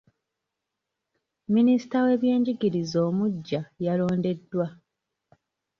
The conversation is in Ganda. Minisita w'ebyenjigieiza omuggya yalondeddwa.